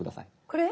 これ？